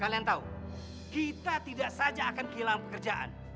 kalian tahu kita tidak saja akan kehilangan pekerjaan